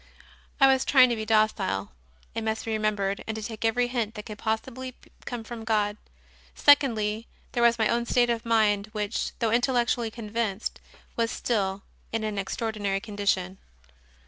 I was trying to be docile, it must be remem bered, and to take every hint that could possibly come from God. Secondly, there was my own state of mind, which, though intellectually convinced, was still in an extraordinary condition.